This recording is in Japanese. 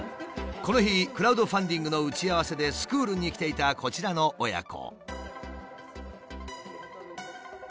この日クラウドファンディングの打ち合わせでスクールに来ていたこちらの親子。